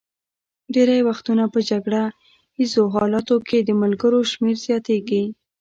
ډېری وختونه په جګړه ایزو حالاتو کې د ملګرو شمېر زیاتېږي.